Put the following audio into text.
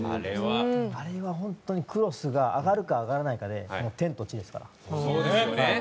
あれは本当にクロスが上がるか上がらないかで天と地ですからね。